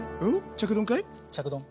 着丼かい？